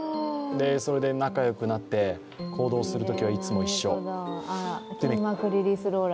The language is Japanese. それで仲よくなって行動するときはいつも一緒。